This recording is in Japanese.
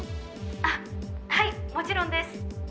あはいもちろんです！